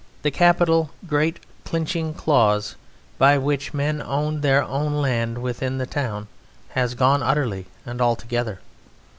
The capital, great clinching clause by which men owned their own land within the town has gone utterly and altogether.